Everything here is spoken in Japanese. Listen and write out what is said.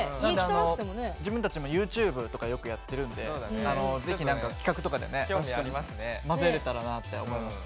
自分たちもＹｏｕＴｕｂｅとかよくやってるんで是非何か企画とかでねまぜられたらなって思います。